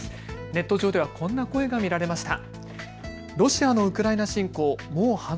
ネット上ではこんな声が見られました。